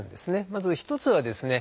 まず一つはですね